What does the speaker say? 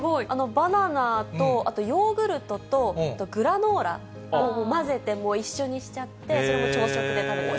バナナと、あとヨーグルトと、グラノーラ、混ぜて一緒にしちゃって、それを朝食で食べてます。